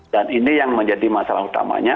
dan ini yang menjadi masalah utamanya